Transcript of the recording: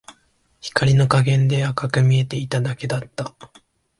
光の加減で赤く見えていただけだった